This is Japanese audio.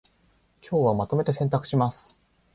今日はまとめて洗濯します